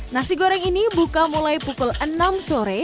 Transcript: nasi goreng ini buka mulai pukul enam sore